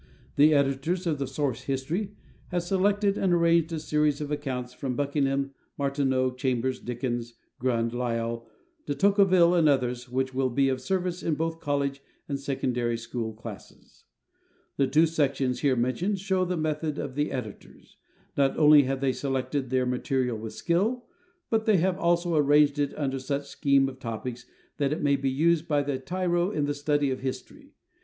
The editors of the "Source history" have selected and arranged a series of accounts from Buckingham, Martineau, Chambers, Dickens, Grund, Lyell, de Tocqueville and others which will be of service in both college and secondary school classes. The two sections here mentioned show the method of the editors. Not only have they selected their material with skill, but they have also arranged it under such a scheme of topics that it may be used by the tyro in the study of history.